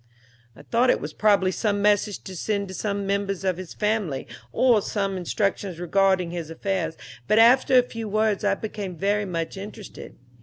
"I thought it was probably some message to send to some members of his family, or some instructions regarding his affairs, but after a few words I became very much interested.